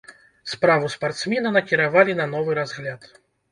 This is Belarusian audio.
Справу спартсмена накіравалі на новы разгляд.